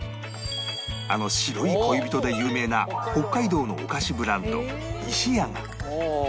あの白い恋人で有名な北海道のお菓子ブランド ＩＳＨＩＹＡ が